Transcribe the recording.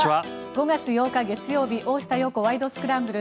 ５月８日、月曜日「大下容子ワイド！スクランブル」。